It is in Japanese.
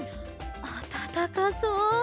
あたたかそう！